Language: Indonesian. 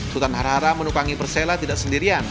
sutan harhara menukangi persela tidak sendirian